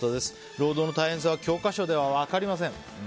労働の大変さは教科書では分かりません。